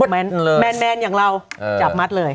แมนอย่างเราจับมัดเลย